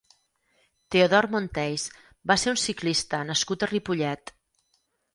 Teodor Monteys va ser un ciclista nascut a Ripollet.